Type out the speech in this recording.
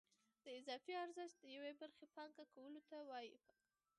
د اضافي ارزښت یوې برخې پانګه کولو ته وایي